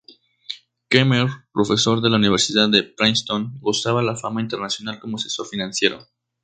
Kemmerer, profesor de la Universidad de Princeton, gozaba de fama internacional como asesor financiero.